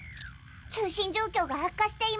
通信状況が悪化しています。